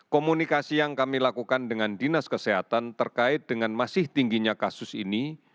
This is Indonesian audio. komunikasi yang kami lakukan dengan dinas kesehatan terkait dengan masih tingginya kasus ini